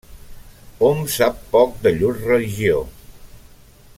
Hom sap poc de llur religió.